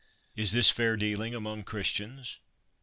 Is this fair dealing among Christians?